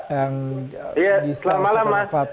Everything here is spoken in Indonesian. ya selamat malam mas